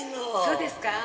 そうですか？